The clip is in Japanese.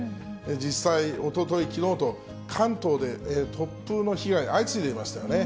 実際、おととい、きのうと、関東で突風の被害、相次いでいましたよね。